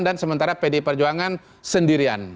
dan sementara pdi perjuangan sendirian